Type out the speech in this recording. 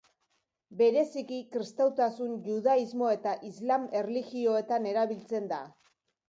Bereziki, kristautasun, judaismo eta islam erlijioetan erabiltzen da.